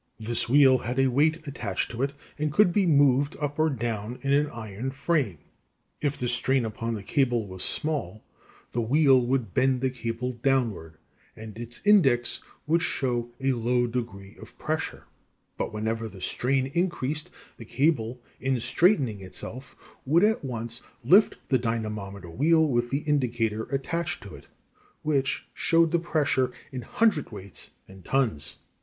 This wheel had a weight attached to it, and could be moved up or down in an iron frame. If the strain upon the cable was small, the wheel would bend the cable downward, and its index would show a low degree of pressure; but whenever the strain increased, the cable, in straightening itself, would at once lift the dynamometer wheel with the indicator attached to it, which showed the pressure in hundredweights and tons.